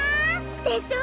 でしょ！